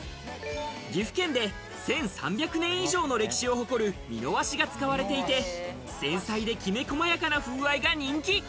岐阜県で１３００年以上の歴史を誇る美濃和紙が使われていて、繊細で、きめ細やかな風合いが人気。